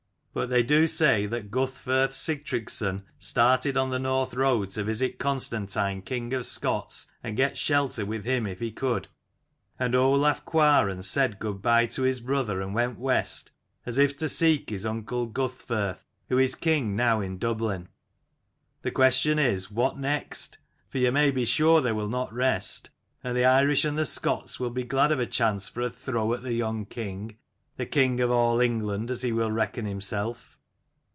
But they do say that Guthferth Sigtryggson started on the North road to visit Constantine king of Scots, and get shelter with him if he could : and. Olaf Cuaran said good bye to his brother and went west, as if to seek his uncle Guthferth, who is king now in Dublin. The question is What next? for you may be sure they will not rest, and the Irish and Scots will be glad of a chance for a throw at the young king the king of all England as he will reckon himself."